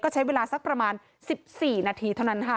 ใช้เวลาสักประมาณ๑๔นาทีเท่านั้นค่ะ